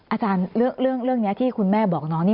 อาจารย์เรื่องนี้ที่คุณแม่บอกน้องนี่